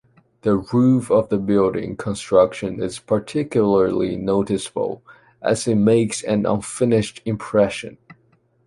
The roof of the building construction is particularly noticeable, as it makes an unfinished impression.